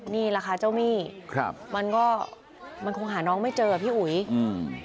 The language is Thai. นี่แหละค่ะเจ้าหนี้ครับมันก็มันคงหาน้องไม่เจออ่ะพี่อุ๋ยอืม